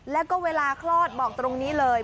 แล้วก็เวลาคลอดบอกตรงนี้เลย